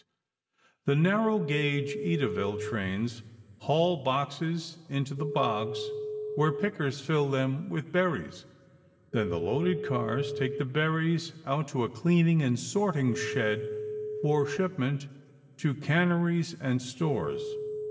The narrow gauge Edaville trains haul boxes into the bogs where pickers fill them with berries. Then the loaded cars take the berries out to a cleaning and sorting shed for shipment to canneries and stores.